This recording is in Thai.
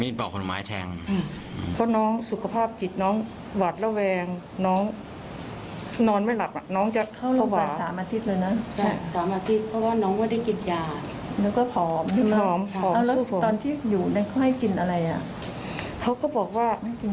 น้องแหม่มเสียใจมากค่ะ